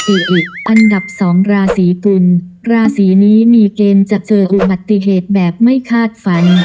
อิอิอันดับ๒ราศีกุลราศีนี้มีเกณฑ์จะเจออุบัติเหตุแบบไม่คาดฝัน